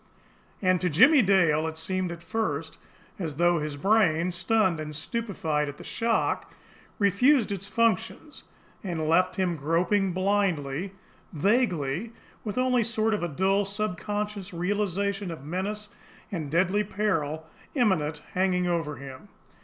And to Jimmie Dale it seemed at first as though his brain, stunned and stupefied at the shock, refused its functions, and left him groping blindly, vaguely, with only a sort of dull, subconscious realisation of menace and a deadly peril, imminent, hanging over him.